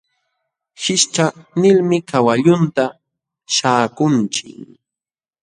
Hishcha nilmi kawallunta śhaakuuchin.